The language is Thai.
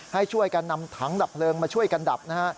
ให้ช่วยกันนำถังดับเพลิงมาช่วยกันดับนะฮะ